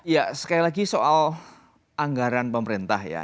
ya sekali lagi soal anggaran pemerintah ya